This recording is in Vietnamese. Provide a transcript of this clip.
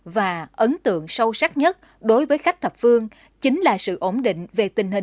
và ấn tượng sâu sắc nhất đối với khách thập phương chính là sự ổn định về tình hình